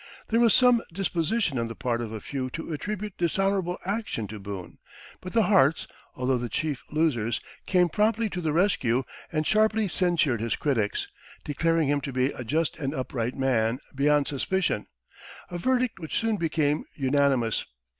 There was some disposition on the part of a few to attribute dishonorable action to Boone; but the Harts, although the chief losers, came promptly to the rescue and sharply censured his critics, declaring him to be a "just and upright" man, beyond suspicion a verdict which soon became unanimous.